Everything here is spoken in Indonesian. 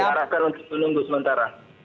jadi saya arahkan untuk menunggu sementara